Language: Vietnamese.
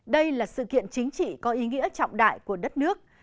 đây là sự kiện chính trị có ý nghĩa trọng đại của đất nước